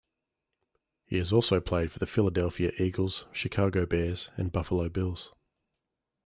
He has also played for the Philadelphia Eagles, Chicago Bears and Buffalo Bills.